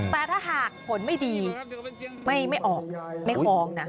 แต่ถ้าหากผลไม่ดีไม่ออกไม่ฟ้องนะ